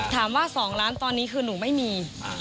ถามว่า๒ล้านตอนนี้คือหนูไม่มี